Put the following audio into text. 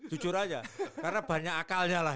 jujur aja karena banyak akalnya lah